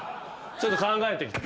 ちょっと考えてきて。